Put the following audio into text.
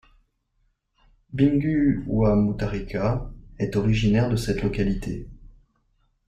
Bingu wa Mutharika est originaire de cette localité.